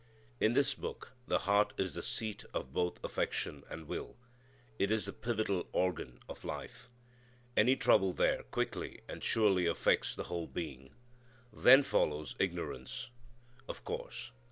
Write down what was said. In this Book the heart is the seat of both affection and will. It is the pivotal organ of life. Any trouble there quickly and surely affects the whole being. Then follows "ignorance." Of course.